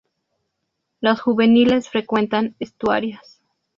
Los juveniles frecuentan estuarios.